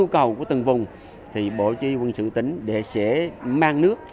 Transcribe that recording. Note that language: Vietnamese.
của từng vùng thì bộ tri vương sự tính để sẽ mang nước